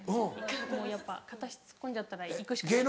もうやっぱ片足突っ込んじゃったら行くしかない。